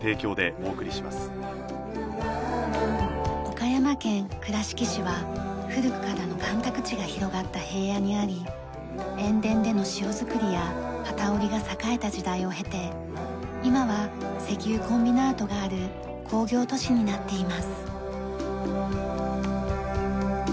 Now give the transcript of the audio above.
岡山県倉敷市は古くからの干拓地が広がった平野にあり塩田での塩づくりや機織りが栄えた時代を経て今は石油コンビナートがある工業都市になっています。